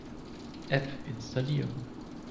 App installieren.